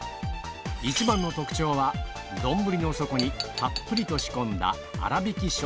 一番の特徴は丼の底にたっぷりと仕込んだ